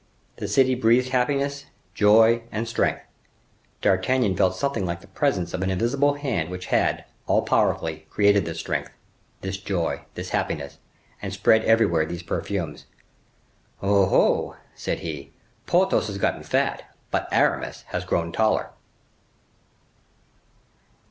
The city breathed happiness, joy, and strength. D'Artagnan felt something like the presence of an invisible hand which had, all powerfully, created this strength, this joy, this happiness, and spread everywhere these perfumes. "Oh! oh!" said he, "Porthos has got fat; but Aramis is grown taller."